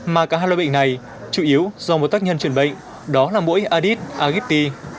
mà cả hai loại bệnh này chủ yếu do một tác nhân chuyển bệnh đó là mũi adit agipti